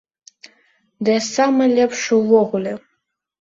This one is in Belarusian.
Ды я самы лепшы ўвогуле!